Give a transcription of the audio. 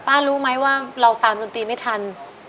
รู้ไหมว่าเราตามดนตรีไม่ทัน